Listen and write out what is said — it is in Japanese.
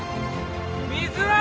水は？